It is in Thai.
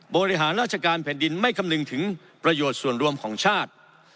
บริหารราชการแผ่นดินไม่คำนึงถึงประโยชน์ส่วนรวมของชาติ